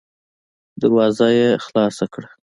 دروازه يې خلاصه کړه.